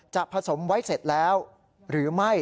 ผสมไว้เสร็จแล้วหรือไม่